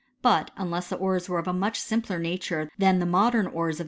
But unless the ores were of a much simpler nature than the modern ores of